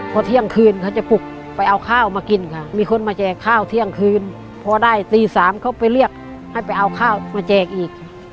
พอเที่ยงคืนเขาจะปลุกไปเอาข้าวมากินค่ะมีคนมาแจกข้าวเที่ยงคืนพอได้ตี๓เขาไปเรียกให้ไปเอาข้าวมาแจกอีก